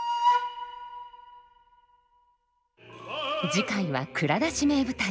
次回は「蔵出し！名舞台」。